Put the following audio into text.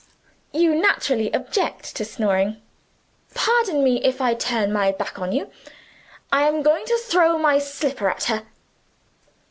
You naturally object to snoring. Pardon me if I turn my back on you I am going to throw my slipper at her."